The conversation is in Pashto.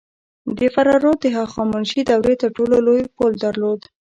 د فراه رود د هخامنشي دورې تر ټولو لوی پل درلود